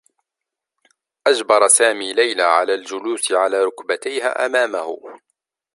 أجبر سامي ليلى على الجلوس على ركبتيها أمامه.